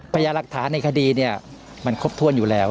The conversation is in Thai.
ประยะรักษาในคดีเนี่ยมันครบถ้วนอยู่แล้ว